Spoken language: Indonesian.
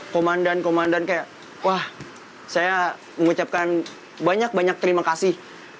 komandan komandan kayak wah saya mengucapkan banyak banyak terima kasih